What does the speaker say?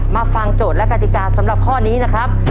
ฟังโจทย์และกติกาสำหรับข้อนี้นะครับ